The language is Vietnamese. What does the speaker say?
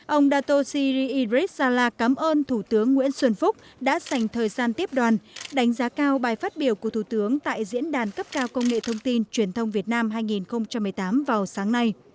ông datoshiri iressala cảm ơn thủ tướng nguyễn xuân phúc đã dành thời gian tiếp đoàn đánh giá cao bài phát biểu của thủ tướng tại diễn đàn cấp cao công nghệ thông tin truyền thông việt nam hai nghìn một mươi tám vào sáng nay